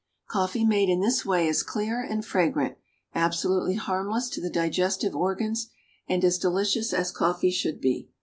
Coffee made in this way is clear and fragrant, absolutely harmless to the digestive organs, and as delicious as coffee should be.